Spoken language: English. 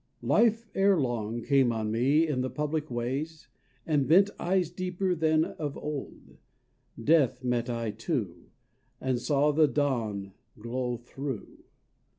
Life ere long Came on me in the public ways, and bent Eyes deeper than of old: Death met I too, And saw the dawn glow through.